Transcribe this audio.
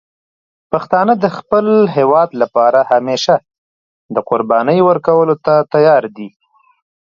پښتانه د خپل هېواد لپاره همیشه د قربانی ورکولو ته تیار دي.